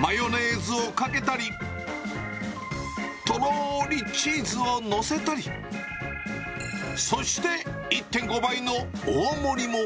マヨネーズをかけたり、とろーりチーズを載せたり、そして、１．５倍の大盛りも。